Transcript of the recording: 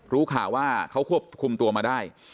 รู้ข่าวว่าเขาควบคุมตัวมาได้